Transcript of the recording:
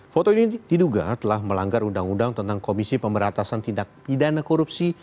foto ini diduga telah melanggar undang undang tentang komisi pemberatasan tindak pidana korupsi